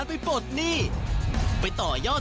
สวัสดีครับ